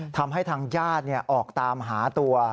ทำให้ทางญาติออกตามหาตัว